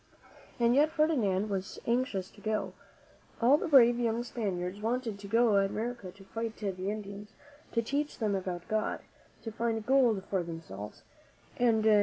And yet Ferdinand was anxious to go. All the brave young Spaniards wanted to go to America to fight the Indians, to teach them about God, to find gold for themselves and new ■«»!